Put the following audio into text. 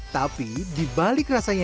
tapi dibalik rasanya